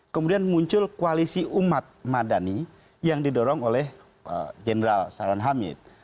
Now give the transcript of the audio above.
kemudian muncul koalisi umat madani yang didorong oleh jenderal saran hamid